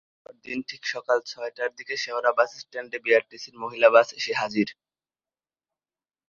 পরদিন ঠিক সকাল ছয়টার দিকে শেওড়া বাসস্ট্যান্ডে বিআরটিসির মহিলা বাস এসে হাজির।